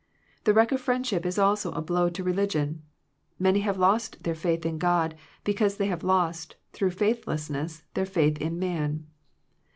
The wreck of friendship is also a blow to religion. Many have lost their faith in God, because they have lost, through faithlessness, their faith in man.